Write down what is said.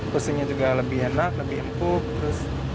pusingnya juga lebih enak lebih empuk terus